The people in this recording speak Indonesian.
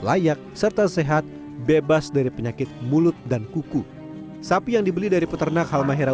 layak serta sehat bebas dari penyakit mulut dan kuku sapi yang dibeli dari peternak halmahera